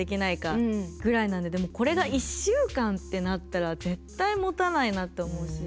でもこれが１週間ってなったら絶対もたないなって思うし。